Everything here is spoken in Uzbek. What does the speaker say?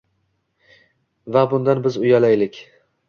Va bundan biz uyalaylik.